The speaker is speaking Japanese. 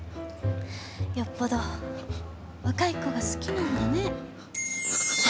よっぽど若い子が好きなんだね。